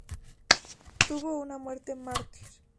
Tuvo una muerte Mártir.